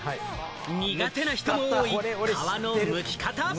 苦手な人も多い皮のむき方。